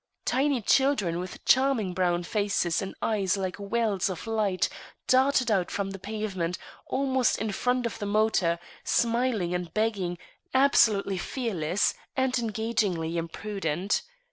Tiny children with charming brown faces and eyes like wells of light, darted out from the pavement, almost in front of the motor, smiling and begging, absolutely, fearless and engagingly impudent.